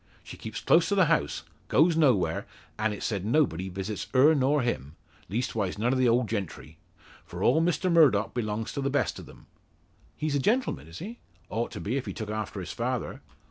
She keeps close to the house; goes nowhere; an' it's said nobody visits her nor him leastwise none o' the old gentry. For all Mr Murdock belongs to the best of them." "He's a gentleman, is he?" "Ought to be if he took after his father."